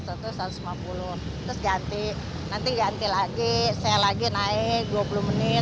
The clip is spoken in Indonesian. terus ganti nanti ganti lagi saya lagi naik dua puluh menit